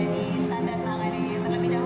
sebenarnya berbentuk bentuk terus menerus